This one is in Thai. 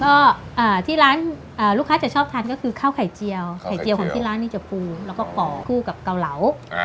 ก็ที่ร้านลูกค้าจะชอบทานก็คือข้าวไข่เจียวไข่เจียวของที่ร้านนี้จะปูแล้วก็ก่อคู่กับเกาเหลา